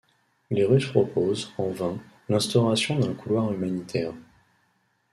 Les Russes proposent - en vain - l'instauration d'un couloir humanitaire.